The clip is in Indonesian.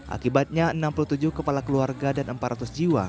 akibatnya enam puluh tujuh kepala keluarga dan empat ratus jiwa